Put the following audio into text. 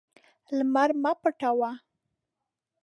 لمر مه پټوه.